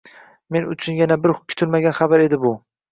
Men uchun yana bir kutilmagan xabar edi, bu